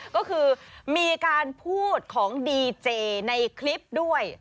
ก็คือมีการพูดของดีเจในคลิปด้วย